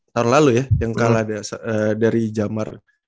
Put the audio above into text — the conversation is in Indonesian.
tahun lalu ya yang kalah dari jamar